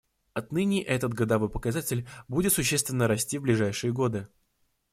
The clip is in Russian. Отныне этот годовой показатель будет существенно расти в ближайшие годы.